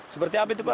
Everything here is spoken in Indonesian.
seperti apa itu pak